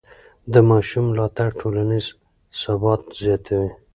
د ماشوم ملاتړ ټولنیز ثبات زیاتوي.